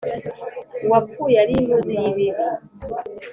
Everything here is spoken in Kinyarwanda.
Uwapfuye ari inkozi y’ibibi,